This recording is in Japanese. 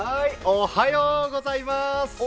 おはようございます！